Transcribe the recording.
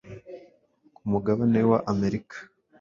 ku mugabane wa amerika,